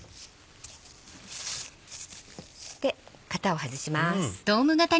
そして型を外します。